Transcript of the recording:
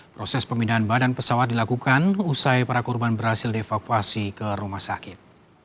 proses pemindahan badan pesawat dilakukan usai para korban berhasil dievakuasi ke rumah sakit